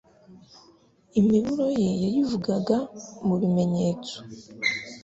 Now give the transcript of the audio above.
imiburo ye yayivugaga mu bimenyetso.